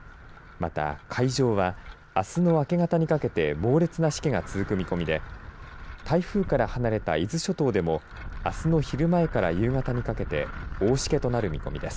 また海上はあすの明け方にかけて猛烈なしけが続く見込みで台風から離れた伊豆諸島でもあすの昼前から夕方にかけて大しけとなる見込みです。